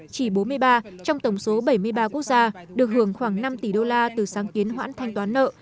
chỉ bốn mươi ba trong tổng số bảy mươi ba quốc gia được hưởng khoảng năm tỷ đô la từ sáng kiến hoãn thanh toán nợ